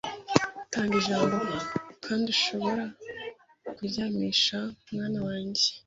tanga ijambo; kandi ushobora kuryamisha, mwana wanjye. ”